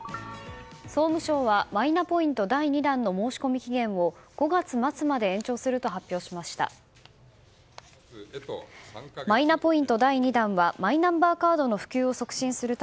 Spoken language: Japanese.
総務省は、マイナポイント第２弾の申込期限を５月末まで延長すると発表しました。